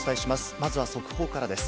まずは速報からです。